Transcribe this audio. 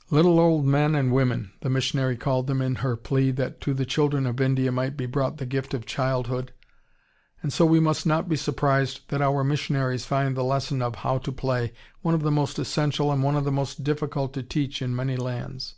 ] "Little old men and women" the missionary called them in her plea that to the children of India might be brought the gift of CHILDHOOD, and so we must not be surprised that our missionaries find the lesson of "HOW TO PLAY" one of the most essential and one of the most difficult to teach in many lands.